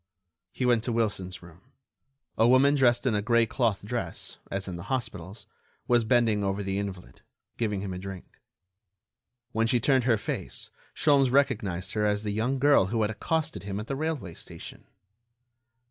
He went to Wilson's room. A woman dressed in a gray cloth dress, as in the hospitals, was bending over the invalid, giving him a drink. When she turned her face Sholmes recognized her as the young girl who had accosted him at the railway station.